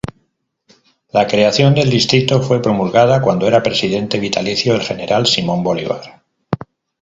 La creación del distrito fue promulgada cuando era Presidente vitalicio el general Simón Bolívar.